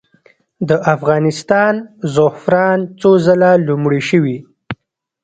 د افغانستان زعفران څو ځله لومړي شوي؟